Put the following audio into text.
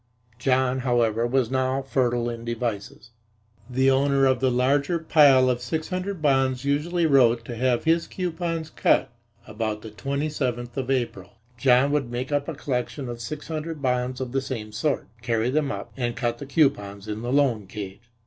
John, however, was now fertile in devices. The owner of the larger pile of six hundred bonds usually wrote to have his coupons cut about the twenty seventh of April. John would make up a collection of six hundred bonds of the same sort, carry them up and cut the coupons in the loan cage.